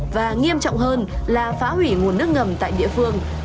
và nghiêm trọng hơn là phá hủy nguồn nước ngầm tại địa phương